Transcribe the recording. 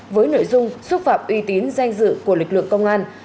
với nội dung xúc phạm uy tín danh dự của lực lượng công an